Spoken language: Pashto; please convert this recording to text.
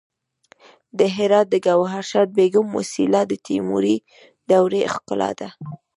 د هرات د ګوهرشاد بیګم موسیلا د تیموري دورې ښکلا ده